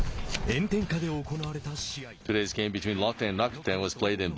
炎天下で行われた試合。